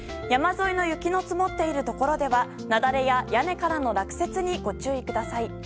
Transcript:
山沿いの雪の積もっているところでは雪崩や、屋根からの落雪にご注意ください。